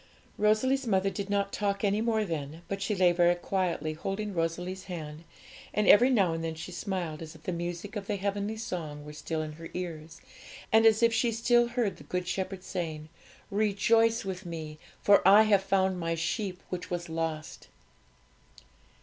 Rosalie's mother did not talk any more then; but she lay very quietly, holding Rosalie's hand, and every now and then she smiled, as if the music of the heavenly song were still in her ears, and as if she still heard the Good Shepherd saying, 'Rejoice with Me, for I have found My sheep which was lost.'